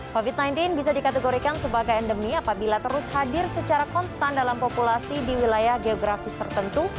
covid sembilan belas bisa dikategorikan sebagai endemi apabila terus hadir secara konstan dalam populasi di wilayah geografis tertentu